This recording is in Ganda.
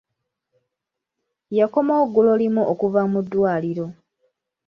Yakomawo ggulo limu okuva mu ddwaliro.